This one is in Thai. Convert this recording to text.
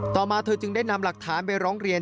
มาเธอจึงได้นำหลักฐานไปร้องเรียน